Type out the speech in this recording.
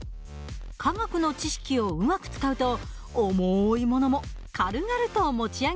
科学の知識をうまく使うと重いものも軽々と持ち上げる事ができます。